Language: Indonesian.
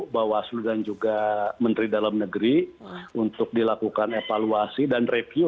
bawaslu dan juga menteri dalam negeri untuk dilakukan evaluasi dan review